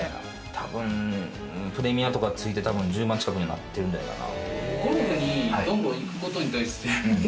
たぶんプレミアとか付いて１０万近くになってるんじゃないかな。